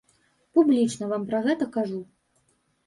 Публічна вам пра гэта кажу.